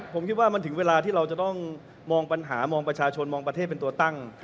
ผมคิดว่ามันถึงเวลาที่เราจะต้องมองปัญหามองประชาชนมองประเทศเป็นตัวตั้ง